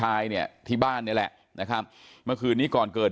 อายุ๑๐ปีนะฮะเขาบอกว่าเขาก็เห็นถูกยิงนะครับ